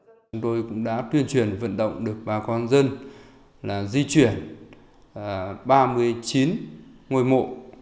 chúng tôi cũng đã tuyên truyền vận động được bà con dân di chuyển ba mươi chín ngôi mộ